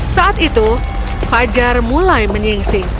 saat itu fajar mulai menyingsing